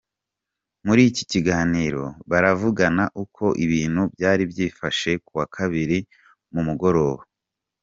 Muri iki kiganiro, baravugana uko ibintu byari byifashe kuwa kabiri ku mugoroba.